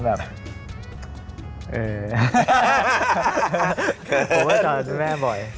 ผมก็จอดคุณแม่บ่อย